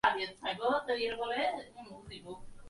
রমেশ তখন নিয়মলঙ্ঘন ও আপত্তিভঞ্জনের সহজ উপায় অবলম্বন করিল।